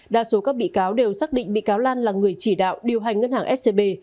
đa số các bị cáo đều xác định bị cáo lan là người chỉ đạo điều hành ngân hàng scb